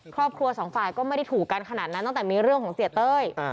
ครอบครัวสองฝ่ายก็ไม่ได้ถูกกันขนาดนั้นตั้งแต่มีเรื่องของเสียเต้ย